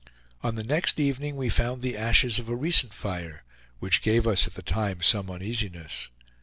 On the next evening we found the ashes of a recent fire, which gave us at the time some uneasiness.